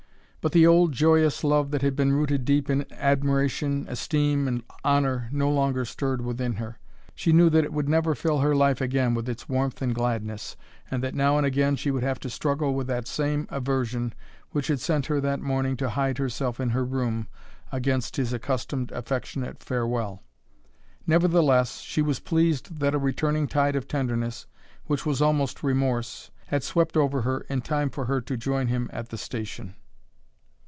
But the old, joyous love that had been rooted deep in admiration, esteem, and honor no longer stirred within her. She knew that it would never fill her life again with its warmth and gladness, and that now and again she would have to struggle with that same aversion which had sent her that morning to hide herself in her room against his accustomed affectionate farewell. Nevertheless, she was pleased that a returning tide of tenderness, which was almost remorse, had swept over her in time for her to join him at the station.